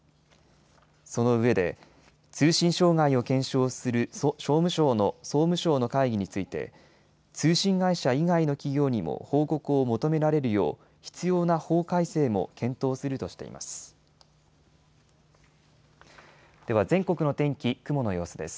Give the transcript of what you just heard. そのうえで通信障害を検証すると総務省の会議について通信会社以外の企業にも報告を求められるよう必要な法改正も検討するとしています。